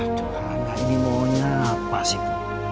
aduh anak ini maunya apa sih bu